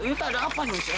ini tak ada apaan nih shay